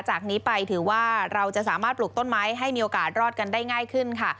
จากนี้ไปถือว่าเราจะสามารถปลูกต้นไม้ให้มีโอกาสรอดกันได้ง่ายขึ้นค่ะ